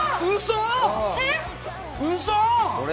嘘！？